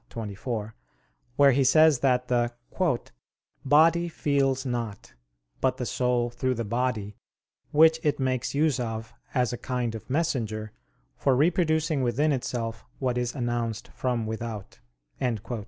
xii, 24) where he says that the "body feels not, but the soul through the body, which it makes use of as a kind of messenger, for reproducing within itself what is announced from without."